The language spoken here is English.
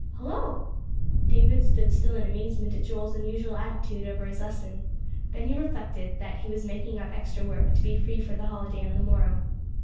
"Hullo!" David stood still in amazement at Joel's unusual attitude over his lesson. Then he reflected that he was making up extra work, to be free for the holiday on the morrow.